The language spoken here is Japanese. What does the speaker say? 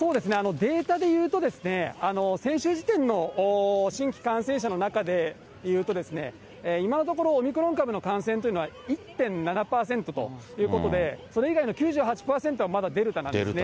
データでいうと、先週時点の新規感染者の中でいうと、今のところ、オミクロン株の感染というのは１．７％ということで、それ以外の９８％はまだデルタなんですね。